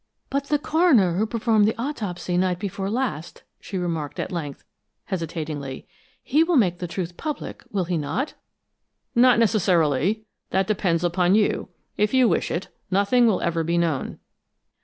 "But the coroner who performed the autopsy night before last," she remarked, at length, hesitatingly. "He will make the truth public, will he not?" "Not necessarily. That depends upon you. If you wish it, nothing will ever be known."